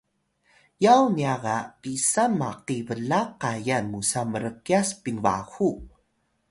yaw nya ga pisang maki blaq kayal musa mrkyas pinbahu